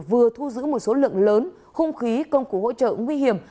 vừa thu giữ một số lượng lớn hung khí công cụ hỗ trợ nguy hiểm